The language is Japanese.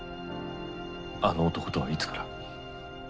あの男とはいつから？